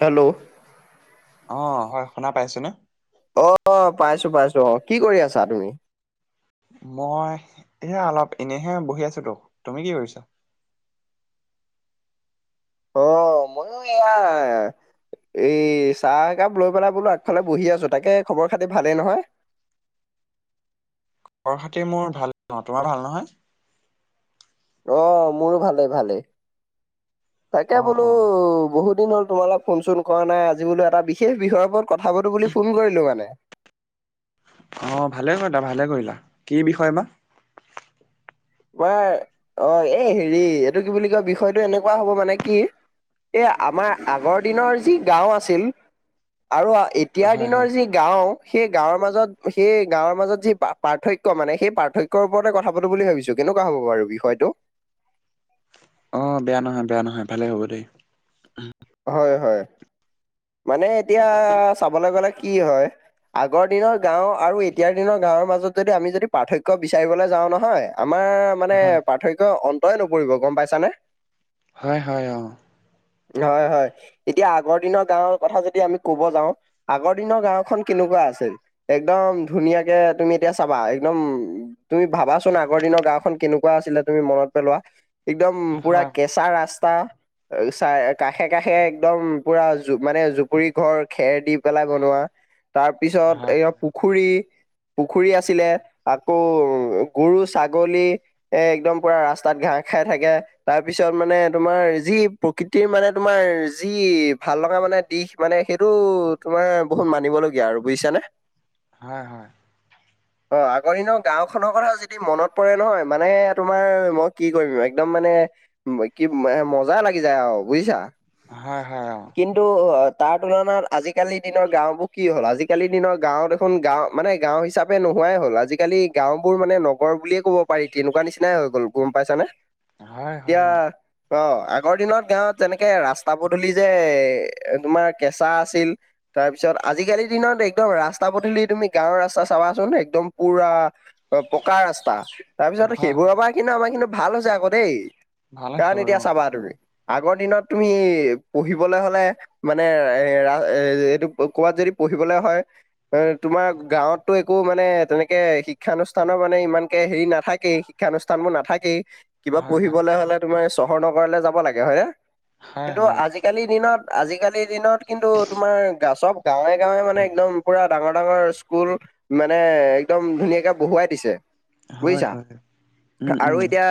Hello, অ হয়। শুনা পাইছে নে? অ, পাইছোঁ- পাইছোঁ অ, কি কৰি আছা তুমি? মই এইয়া অলপ এনেইহে বহি আছিলোঁ তুমি কি কৰিছা? অ, মইয়ো এয়া- এ চাহ একাপ লৈ পেলাই বোলো আগফালে বহি আছো তাকে খবৰ খাতি ভালেই নহয়? ঘৰ খাতি মোৰ ভাল অ, তোমাৰ ভাল নহয়? অ, মইও ভালেই- ভালেই তাকে অ বোলো অ বহুত বহুত দিন হ'ল তোমালৈ অলপ ফোন চোন কৰা নাই আজি বোলো এটা বিশেষ বিষয়ৰ ওপৰত কথা পাতো বুলি ফোন কৰিলো মানে। অ, ভালে কথা ভালে কৰিলা কি বিষয় বা? কোৱাৰ অ, এই হেৰি এইটো কি বুলি কয় বিষয়টো এনেকুৱা হ'ব মানে কি এ আমাৰ আগৰ দিনৰ যি গাওঁ আছিল আৰু এতিয়াৰ হয় হয় দিনৰ যি গাঁও, সেই গাঁৱৰ মাজত- সেই গাঁৱৰ মাজত যি পাৰ্থক্য মানে সেই পাৰ্থক্যৰ ওপৰতে কথা পাতো বুলি ভাবিছোঁ। কেনেকুৱা হ'ব বাৰু বিষয়টো? অ, বেয়া নহয়- বেয়া নহয় ভালেই হ'ব দে। হয়-হয় মানে এতিয়া চাবলে গলে কি হয় আগৰ দিনৰ গাওঁ আৰু এতিয়াৰ দিনৰ গাওঁৰ মাজত যদি আমি যদি পাৰ্থক্য বিচাৰিবলৈ যাওঁ নহয় আমাৰ মানে হয় পাৰ্থক্য অন্তই নপৰিব গম পাইছানে? হয়- হয় অ। হয়- হয় এতিয়া আগৰ দিনত গাঁওৰ কথা যেতিয়া আমি ক'ব যাওঁ আগৰ দিনৰ গাওঁখন কেনেকুৱা আছিল? একদম ধুনীয়াকে তুমি এতিয়া চাবা একদম তুমি ভাবাচোন আগৰ দিনৰ গাঁওখন কেনেকুৱা আছিলে তুমি মনত পেলোৱা? একদম পুৰা হয় কেঁচা ৰাস্তা চা কাষে- কাষে একদম পুৰা জু মানে জুপুৰি ঘৰ খেৰ দি পেলাই বনোৱা তাৰপিছত হয় এই অ, পুখুৰী পুখুৰী আছিলে আকৌ গৰু, ছাগলী একদম পুৰা ৰাস্তাত ঘাঁহ খাই থাকে তাৰপিছত মানে তোমাৰ যি প্ৰকৃতিৰ মানে তোমাৰ যি ভাল লগা মানে দিশ মানে সেইটো তোমাৰ বহুত মানিবলগীয়া আৰু বুইছানে? হয় -হয়। [inaudible] অ, আগৰ দিনৰ গাঁওখনৰ কথা যদি মনত পৰে নহয় মানে তোমাৰ মই কি কৰিম একদম মানে উম, কি [unintelligible] মজা লাগি যায় আও বুজিছা? হয়- হয়। অ কিন্তু অ, তাৰ তুলনাত আজিকালি দিনৰ গাঁওবোৰ কি হ'ল আজিকালি দিনৰ গাঁও খন গাওঁ মানে গাঁও হিচাপে নোহোৱাই হ'ল আজিকালি গাঁওবোৰ মানে নগৰ বুলিয়ে ক'ব পাৰি তেনেকুৱা নিচিনাই হৈ গ'ল গোম পাইছানে? হয়- হয় এতিয়া অ অ, আগৰ দিনত গাঁৱত যেনেকে ৰাস্তা পদূলি যে এ তোমাৰ কেঁচা আছিল তাৰপিছত আজিকালিৰ দিনত একদম ৰাস্তা- পদূলি তুমি গাঁৱৰ ৰাস্তা চাবাচোন একদম পুৰা অ, পকা ৰাস্তা। তাৰপিছতো হয় সেইবোৰৰ হয় পৰা কিন্তু আমাৰ কিন্তু ভাল হৈছে আকৌ দেই ভাল হৈছে কাৰণ বাৰু এতিয়া অ চাবা তুমি আগৰ দিনত তুমি পঢ়িবলে হ'লে মানে এ ৰা এ এইটো ক'বাত যদি পঢ়িবলে হয় এ তোমাৰ গাঁৱততো একো মানে তেনেকে শিক্ষানুষ্ঠানৰ মানে ইমানকে হেৰি নাথাকেই শিক্ষাঅনুষ্ঠান বোৰ নাথাকেই। কিবা হয় হয় পঢ়িবলে হ'লে তোমাৰ এ চহৰ, নগৰলে যাব লাগে হয় নে হয় কিন্তু হয় আজি আজিকালি দিনত আজিকালিৰ দিনত কিন্তু তোমাৰ চব গাঁৱে- গাঁৱে মানে একদম পুৰা ডাঙৰ- ডাঙৰ স্কুল মানে একদম ধুনীয়াকে বহুৱাই দিছে। হয় বুজিছা হয় উম আৰু উম এতিয়া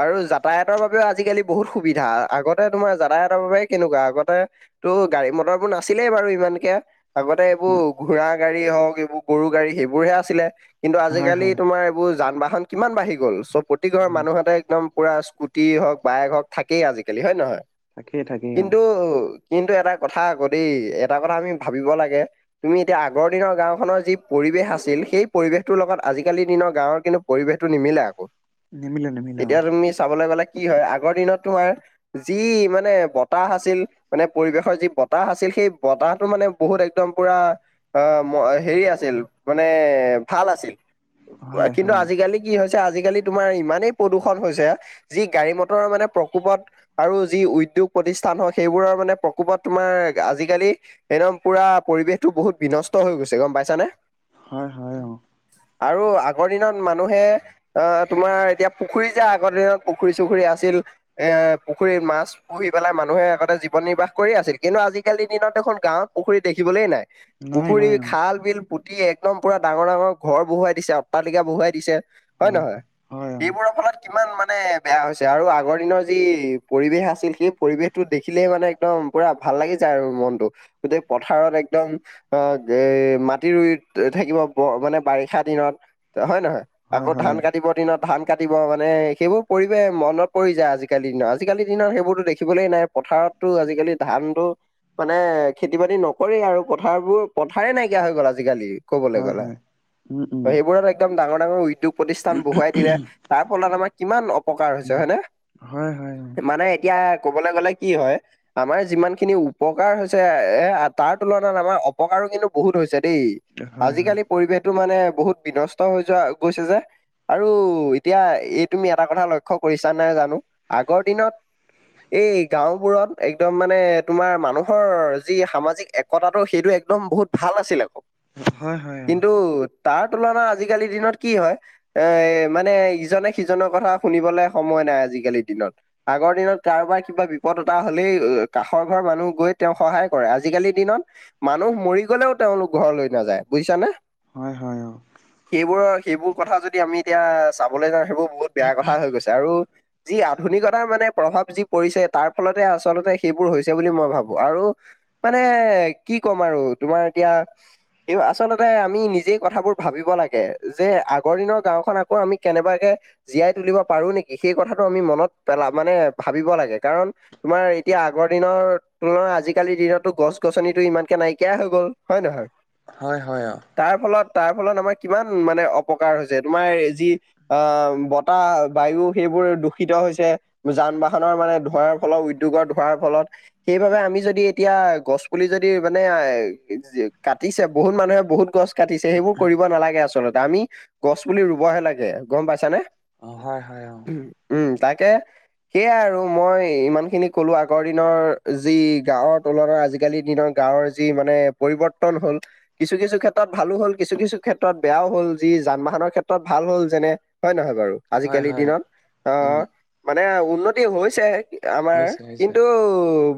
আৰু যাতায়তৰ বাবেও আজিকালি বহুত সুবিধা আগতে তোমাৰ যাতায়তৰ বাবেই কেনেকুৱা আগতে তো গাড়ী মটৰ বোৰ নাছিলেই বাৰু ইমানকে আগতে এইবোৰ ঘোৰা গাড়ী হওক এইবোৰ গৰু গাড়ী সেইবোৰ হে আছিলে কিন্তু হয় আজালি হয় তোমাৰ এইবোৰ যান-বাহন, কিমান বাঢ়ি গ'ল চ' প্ৰতি ঘৰৰ মানুহঁতে একদম পুৰা, স্ক্ৰুটি হওক বায়েক হওক থাকেই আজিকালি হয় নহয়। থাকেই-থাকেই, কিন্তু-কিন্তু এটা কথা গদি এটা কথা আমি ভাবিব লাগে। তুমি এতিয়া আগৰ দিনৰ গাওখনৰ যি পৰিৱেশ আছিল, সেই পৰিৱেশটোৰ লগত আজিকালি দিনৰ গাঁওৰ কিন্তু পৰিৱেশটো নিমিলে আকৌ নিমিলে নিমিলে অ এতিয়া তুমি চাবলে গলে। কি হয় আগৰ দিনত তোমাৰ যি মানে বতাহ আছিল মানে পৰিৱেশৰ যি বতাহ আছিল, সেই বতাহটো মানে বহুত একদম পুৰা অ, হেৰি আছিল মানে ভাল আছিল হয় কিন্তু হয় অ আজিকালি কি হৈছে আজিকালি তোমাৰ ইমানেই প্ৰদূষণ হৈছে, যি গাড়ী মটৰৰ মানে প্ৰকোপত আৰু যি উদ্যোগ প্ৰতিষ্ঠান হওক সেইবোৰৰ মানে প্ৰকোপত তোমাৰ আজিকালি, একদম পুৰা পৰিৱেশটো বহুত বিনষ্ট হৈ গৈছে গম পাইছানে। হয়-হয় অ, আৰু আগৰ দিনত মানুহে আহ, তোমাৰ এতিয়া পুখুৰী যে আগৰ দিনত পুখুৰী-চুখুৰী আছিল এ পুখুৰী মাছ পুহি পেলাই মানুহেগতে জীৱনৰ্বাহ কৰি আছিল কিন্তু আজিকালিৰ দিনত দেখন গাঁৱত পুখুৰী দেখিবলেই নাই। নাই পুখুৰী নাই অ খাল বিল পুতি একদম পুৰা ডাঙৰ-ডাঙৰ ঘৰ বহুৱাই দিছে, অট্টালিকা বহুৱাই দিছে। হয় নহয়, হয় অ এইবোৰৰ ফলত কিমান মানে বেয়া হৈছে আৰু আগৰ দিনৰ যি পৰিৱেশ আছিল। সেই পৰিৱেশটো দেখিলে মানে একদম পুৰা ভাল লাগি যায় আৰু মনতটো গোটেই পথাৰত একদম আহ, এ মাটি ৰুই থাকিব মানে বাৰিষা দিনত হয় নহয়, হয় আকৌ ধান হয় কাটিবৰ দিনত ধান কাটিব মানে সেইবোৰ পৰিৱেশ মনত পৰি যায় আজিকালি দিনত আজিকালিৰ দিনত সেইবোৰতো দেখি, দেখিবলৈ নাই, পথাৰতো আজিকালি ধানতটো মানে খেতি বাতি নকৰে আৰু পথাৰবোৰ পথাৰে নাইকিয়া হৈ গ'ল আজিকালি। কবলে হয় গ'লে হয় উম উম সেইবোৰ ত' একদম ডাঙৰ-ডাঙৰ উদ্যোগ প্ৰতিষ্ঠান বহুৱাই দিলে তাৰ ফলত আমাক, কিমান অপকাৰ হৈছে উম হয়নে? হয় হয় মানে এতিয়া কবলে গলে কি হয়। আমাৰ যিমান খিনি উপকাৰ হৈছে এ তাৰ তুলনাত আমাৰ অপকাৰো কিন্তু বহুত হৈছে দেই। অ হয় হয় আজিকালি পৰিৱেশটো মানে বহুত বিনষ্ট হৈ যোৱা গৈছে যে, আৰু এতিয়া এই তুমি এটা কথা লক্ষ্য কৰিছা নেজানো, আগৰ দিনত এই গাঁওবোৰত একদম মানে তোমাৰ মানুহৰ যি সামাজিক এক কথাতটো সেইটো একদম বহুত ভাল আছিল আকৌ হয় হয় অ কিন্তু তাৰ তুলনাত আজিকালিৰ দিনত কি হয়? এ মানে ইজনে সিজনৰ কথা শুনিবলে সময় নাই। আজিকালিৰ দিনত আগৰ দিনত কাৰোবাৰ কিবা বিপদ এটা হ'লেই কাষৰ ঘৰৰ মানুহ গৈ তেওঁক সহায় কৰে, আজিকালিৰ দিনত মানুহ মৰি গলেও তেওঁলোক ঘৰলৈ নাযায় বুজিছানে। হয়-হয়। অ, সেইবোৰৰ-সেইবোৰ কথা যদি আমি এতিয়া চাবলৈ যাওঁ সেইবোৰ বহুত বেয়া কথা হৈ গৈছে আৰু। যি আধুনিকতাৰ মানে প্ৰভাৱ যি পৰিছে তাৰ ফলতে আচলতে সেইবোৰ হৈছে বুলি মই ভাবো আৰু। মানে কি ক'ম আৰু তোমাৰ এতিয়া স আচল্ততে আমি নিজেই কথাবোৰ ভাবিব লাগে, যে আগৰ দিনৰ গাঁওখন আকৌ আমি কেনেবাকে জীয়াই তুলিব পাৰো নেকি সেই কথাটো আমি মনত পেলা মানে ভাবিব লাগে কাৰণ তোমাৰ এতিয়া আগৰ দিনৰ তুলনাত আজিকালিৰ দিনতো গছ-গছনিতটো ইমানকে নাইকিয়াই হৈ গ'ল। হয় নহয়? হয়-হয়। অ, তাৰ ফলত তাৰ ফলত আমাৰ কিমান মানে অপকাৰ হৈছে। তোমাৰ যি আহ, বতাহ বায়ু সেইবোৰ দূষিত হৈছে যান-বাহন, খনৰ মানে ধৱাৰ ফলত উদ্যোগৰ ধৱাৰ ফলত, সেইবাবে আমি যদি এতিয়া গছ পুলি যদি মানে এ কাটিছে বহুত মানুহে বহুত গছ। কাটিছে সেইবোৰ কৰিব নালাগে আচলতে আমি গছ পুলি ৰুবহে লাগে গম পাইছানে। অ হয় হয় অ, উম তাকে, সেয়াই আৰু মই ইমান খিনি কলো আগৰ দিনৰ যি গাঁৱৰ তুলনাত আজিকালি দিনৰ। গাঁৱৰ যি মানে পৰিৱৰ্তন হল। কিছু কিছু ক্ষেত্ৰত ভালো হ'ল কিছু কিছু ক্ষেত্ৰত বেয়াও হ'ল যি যান বাহনৰ ক্ষেত্ৰত ভাল হ'ল যেনে, হয় নহয় বাৰু হয় আজিকালিৰ হয় দিনত অ উম মানে উন্নতি হৈছে। আমাৰ হৈছে হৈছে কিন্তু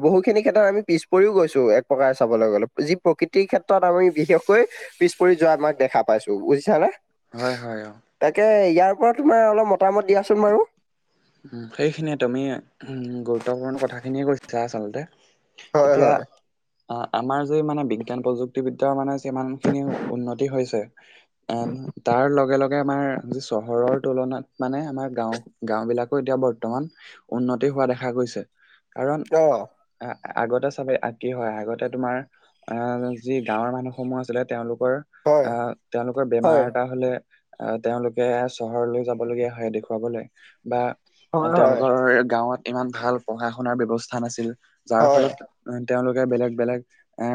বহুখিনি, কেত্ৰ আমি পিছ পৰিও গৈছো এক প্ৰকাৰে চাবলৈ গলো যি প্ৰকৃতিৰ ক্ষেত্ৰত আমি বিশেষকৈ, পিছ পৰি যোৱা আমাক দেখা পাইছো বুজিছানে। হয় হয় অ, তাকে ইয়াৰ পৰা তোমাৰ অলপ মতামত দিয়াচোন বাৰু, উ সেইখিনিয়ে তুমি উ গুৰুত্বপূৰ্ণ কথাখিনিয়ে কৈছা আচলতে, হয় এতিয়া। হয় অ আমাৰ যি মানে বিজ্ঞান প্ৰযুক্তিবিদ্যাৰ মানে যিমান খিনি উন্নতি হৈছে। অ তাৰ লগে লগে আমাৰ যি চহৰৰ তুলনাত মানে আমাৰ গাও গাও বিলাক, এতিয়া বৰ্তমান উন্নতি হোৱা দেখা গৈছে কাৰণ, অ আগতে চাবেই কি হয় আগতে তোমাৰ, আহ যি গাঁৱৰ মানুহ সমূহ আছিলে তেওঁলোকৰ হয় আহ তেওঁলোকৰ হয় বেমাৰ এটা হলে আহ তেওঁলোকে চহৰলৈ যাবলগীয়া হয় দেখুৱাবলৈ বা, হয় হয় তেওঁলোকৰ গাঁৱত ইমান ভাল পঢ়া শুনাৰ ব্যৱস্থা নাছিল যাৰ হয় ফলত তেওঁলোকে বেলেগ বেলেগ এ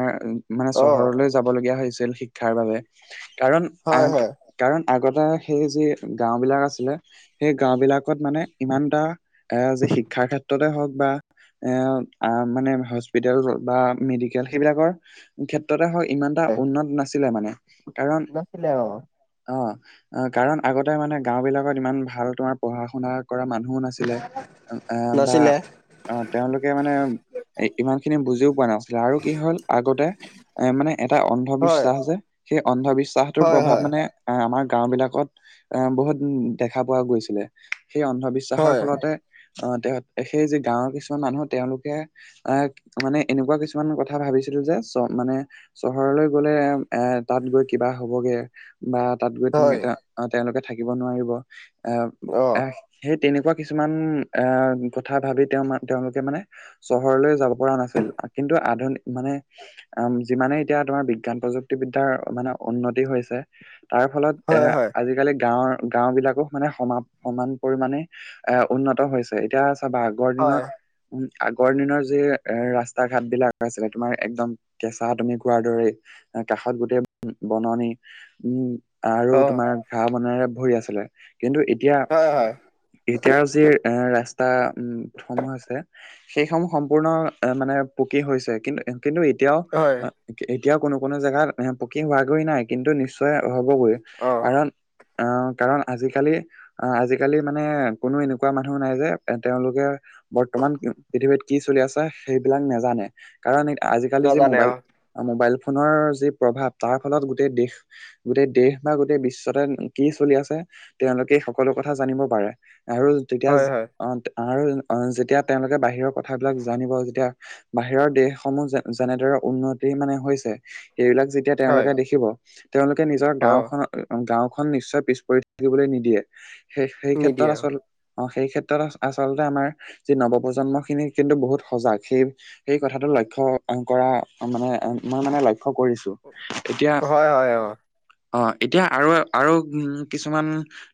মানে অ চহৰলৈ যাব লগগীয়া হৈছিল শিক্ষাৰ বাবে। কাৰণ হয় আহ, হয় কাৰণ আগতে সেই যি গাও বিলাক আছিলে সেই গাও বিলাকত মানে। ইমান এটা এ যে শিক্ষাৰ ক্ষেত্ৰতে হওক বা, এ মানে হস্পিতেল বা মেডিকেল সেইবিলাকৰ ক্ষেত্ৰতে হয়। ইমান এটা উন্নত নাছিলে মানে কাৰণ, নাছিলে অ অঁ অঁ কাৰণ আগতে মানে গাওঁ বিলাকত ইমান ভাল তোমাৰ পঢ়া শুনা, কৰা মানুহ নাছিলে এ বা, নাছিলে অঁ তেওঁলোকে মানে ইমান খিনি বুজিও পোৱা নাছিলে আৰু কি হল আগতে, এ মানে এটা হয় অন্ধবিশ্বাস যে সেই অন্ধবিশ্বাসটোৰ হয় প্ৰভাৱ হয় মানে। আহ আমাৰ গাওঁ বিলাকত এ বহুত দেখা পোৱা গৈছিলে সেই অন্ধবি বিশ্বাসৰ হয় ফলতে আহ তেওঁ সেই যে গাঁৱৰ কিছুমান মানুহ তেওঁলোকে, আহ মানে এনেকুৱা কিছুমান কথা ভাবিছিলো যে চ মানে, চহৰলৈ গ'লে এ তাত গৈ কিবা হবগে। বা তাত গৈ তেনেকে হয় তেওঁলোকে থাকিব নোৱাৰিব এ অ এ সেই তেনেকুৱা কিছুমান এ কথা ভাবি তেওঁ তেওঁলোকে মানে। চহৰলৈ যাব পৰা নাছিল কিন্তু আধুনিক মানে, উম যিমানে এতিয়া তোমাৰ বিজ্ঞান প্ৰযুক্তিবিদ্যয়াৰ মানে উন্নতি হৈছে তাৰ ফলত। এ হয় হয় আজিকালি গাঁওৰ গাও বিলাকো মানে সমাপ, সমান পৰিমানে এ উন্নত হৈছে এতিয়া চাবা আগৰ হয় দিনত। উম আগৰ দিনৰ যি এ ৰাস্তা ঘাট বিলাক আছিলে তোমাৰ একদম, কেঁচা তুমি খোৱাৰ দৰে কাষত গোটেই বননি উম আৰু অ তোমাৰ ঘাঁহ বনে ভৰি আছিলে কিন্তু এতিয়া। হয় হয়। এতিয়া যি এ ৰাস্তা উসমূহ আছে। সেইসমূহ সম্পূৰ্ণ মানে পকী হৈছে কিন্তু কিন্তু এতিয়াও হয় এতিয়াও কোনো কোনো জেগাত পকী হোৱাগৈ নাই কিন্তু নিশ্চয় হ'বগৈ অ কাৰণ। অ কাৰণ আজিকালি আহ আজিকালি মানে কোনো এনেকুৱা মানুহ নাই যে এ তেওঁলোকে বৰ্তমান পৃথিৱীত কি চলি আছে সেইবিলাক নেজানে কাৰণ আজিকালি যি নাজানে মোবাইল অ মোবাইল ফোনৰ যি প্ৰভাৱ তাৰ ফলত গোটেই দেশ গোটেই দেশ বা গোটেই বিশ্বতে কি চলি আছে তেওঁলোকে সকল সকলো কথা জানিব পাৰে আৰু তেতিয়া হয় হয় অ আৰু যেতিয়া তেওঁলোকে বাহিৰৰ কথাবিলাক জানিব যেতিয়া বাহিৰৰ দেশসমূহ যে যেনেদৰে উন্নতি মানে হৈছে সেইবিলাক এতিয়া হয় তেওঁলোকে দেখিব তেওঁলোকে নিজৰ অ গাওঁখনৰ গাঁওখন নিশ্চয় পিছ পৰি থাকিবলৈ নিদিয়ে সেই সেই ক্ষেত্ৰত নিদিয়ে আচল অ অঁ সেই ক্ষেত্ৰত আচলতেই আমাৰ যি নৱপজন্ম খিনি কিন্তু বহুত সজাগ সেই সেই কথাটো লক্ষ্য কৰা মানে মই মানে লক্ষ্য কৰিছোঁ। হয় হয় হয় অ এতিয়া আৰু আৰু উ কিছুমান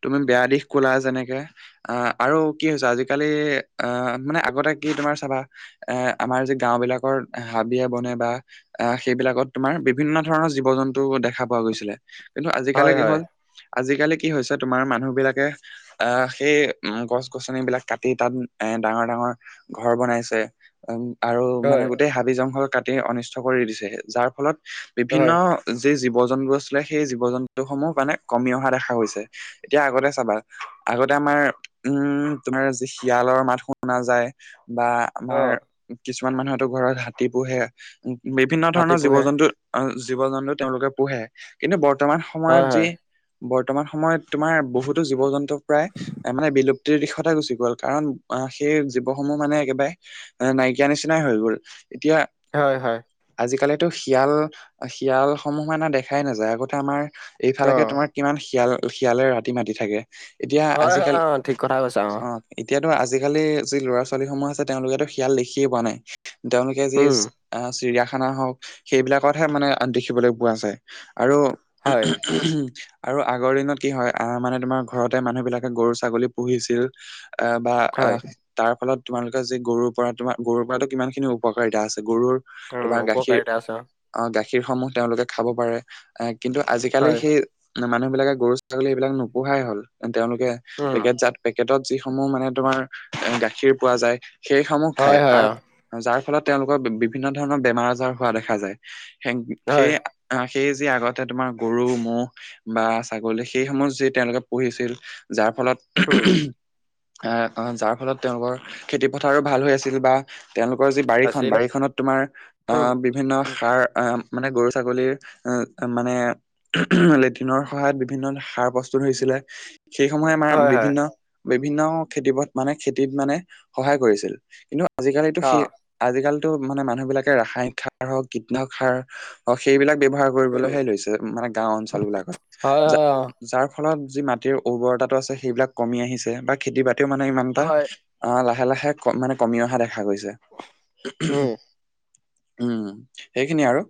তুমি বেয়া দিশ কলা যেনেকে আহ আৰু কি হৈছে আজিকালি আহ মানে আগতে কি তোমাৰ চাবা এ আমাৰ যে গাওঁ বিলাকৰ হাবিয়ে বনে বা আহ সেইবিলাকত তোমাৰ বিভিন্ন ধৰণৰ জীৱ জন্তু দেখা পোৱা গৈছিলে। কিন্তু আজিকালি হয় কি হয় হল আজিকালি কি হৈছে তোমাৰ মানুহ বিলাকে, আহ সেই গছ গছনিবিলাক কাটি তাত এ ডাঙৰ ডাঙৰ ঘৰ বনাইছে উ আৰু মানে হয় গোটেই হাবি জংঘল কাটি অনিষ্ট কৰি দিছে যাৰ ফলত বিভিন্ন, হয় যি জীৱ জন্তু আছিলে সেই জীৱ জন্তু সমূহ মানে কমি অহা দেখা গৈছে। এতিয়া আগতে চাবা আগতে আমাৰ। উম তোমাৰ যি শিয়ালৰ মাত শুনা যায় বা অ আমাৰ কিছুমান মানুহেতো ঘৰত হাতী পোহে বিভিন্ন হাতী ধৰণৰ জীৱ পোহে জন্তু জীৱ জন্তু তেওঁলোকে পোহে কিন্তু বৰ্তমান হয় সময়ত যি হয় বৰ্তমান সময়ত তোমাৰ বহুতো জীৱ জন্তু প্ৰায় এ মানে বিলুপ্ত দিশতে গুচি গ'ল কাৰণ আহ সেই জীৱসমূহ মানে একেবাৰে নাইকিয়া নিচিনাই হৈ গল এতিয়া হয় হয় আজিকালিতো শিয়াল শিয়াল সমূহ মানে দেখাই নাযায় আগতে আমাৰ। অ এইফালেকে তোমাৰ কিমান শিয়াল শিয়ালে ৰাতি মাতি থাকে। এতিয়া হয় হয় আজিকালি অ ঠিক কথা কৈছা অ, এতিয়াতো আজিকালি যি ল'ৰা ছোৱালীসমূহ আছে তেওঁলোকেতো শিয়াল দেখিয়ে পোৱা নাই। তেওঁলোকে যি উম চিৰিয়াখানা হওক, সেইবিলাকতহে মানে দেখিবলৈ পোৱা যায় আৰু হয় আৰু আগৰ দিনত। কি হয় আহ মানে তোমাৰ ঘৰতে মানুহ বিলাকে গৰু ছাগলী পুহিছিল আহ বা হয় আহ, তাৰ ফলত তোমালোকে যি গৰুৰ পৰা তোমাৰ গৰুৰ পৰা কিমান খিনি উপকাৰিতা আছে গৰুৰ। উম তোমাৰ গাখীৰ উপকাৰিতা আছে অ গাখীৰ সমূহ তেওঁলোকে খাব পাৰে। আহ কিন্তু আজিকালি হয় সেই মানুহ বিলাকে গৰু ছাগলী এইবিলাক নোপোহাই হল তেওঁলোকে। উম পেকেট যাত পেকেটত যিসমূহ মানে তোমাৰ গাখীৰ পোৱা যায়। সেইসমূহ হয় খায় হয় তাৰ, অ, যাৰ ফলত তেওঁলোকৰ বিভিন্ন ধৰণৰ বেমাৰ আজাৰ হোৱা দেখা যায়। স হয় সেই সেই যি আগতে তোমাৰ গৰু ম'হ বা ছাগলী। সেইসমূহ যি তেওঁলোকে পোহিছিল যাৰ ফলত উম যাৰ ফলত তেওঁলোকৰ খেতিপথাৰো ভাল হৈ আছিল বা, তেওঁলোকৰ যি বাৰীখন আছিল বাৰীখনত তোমাৰ অ উম বিভিন্ন সাৰ আহ মানে গৰু ছাগলীৰ মানে লেটিনৰ সহায়ত বিভিন্ন সাৰ প্ৰস্তুত হৈছিলে সেইসমূহে আমাৰ হয় হয় বিভিন্ন। বিভিন্ন খেতি পথ মানে খেতিত মানে সহায় কৰিছিল কিন্তু আজিকালিতো অ সেই। আজিকালি টো মানে মানুহ বিলাকে ৰাসায়নিক সাৰ হওক কীটনাশক সাৰ হওক সেইবিলাক ব্যৱহাৰ উম কৰিবলৈহে লৈছে মানে গাওঁ অঞ্চল বিলাকত হয় য হয় অ যাৰ ফলত যি মাটিৰ উৰ্বৰতাটো আছে, সেইবিলাক কমি আহিছে। বা খেতি বাতিও মানে ইমান এটা। হয় অ' লাহে -লাহে মানে কমি অহা দেখা গৈছে। উম উম সেইখিনিয়ে আৰু।